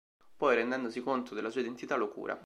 Poi, rendendosi conto della sua identità, lo cura.